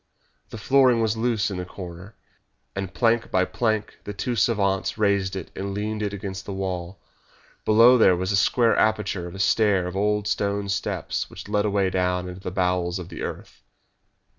The flooring was loose in the corner, and plank by plank the two savants raised it and leaned it against the wall. Below there was a square aperture and a stair of old stone steps which led away down into the bowels of the earth.